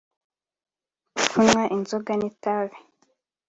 kunywa inzoga n’itabi